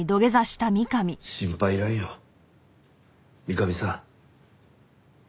心配要らんよ三上さん。